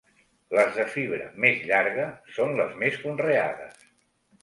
Les de fibra més llarga són les més conreades.